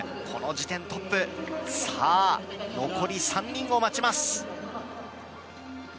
この時点トップ、残り３人を待ちます。